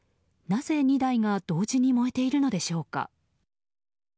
なぜ、２台が同時に燃えているのでしょうか。